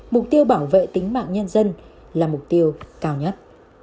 mục tiêu bảo vệ tính mạng nhân dân là mục tiêu cao nhất